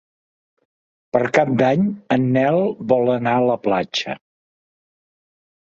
Per Cap d'Any en Nel vol anar a la platja.